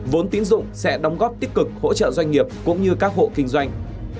vốn tín dụng sẽ đóng góp tích cực hỗ trợ doanh nghiệp cũng như các hộ kinh doanh